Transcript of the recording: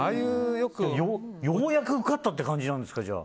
ようやく受かったっていう感じなんですか。